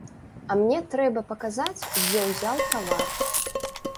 А мне трэба паказаць, дзе ўзяў тавар.